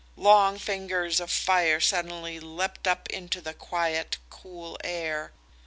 Long fingers of fire suddenly leapt up into the quiet, cool air.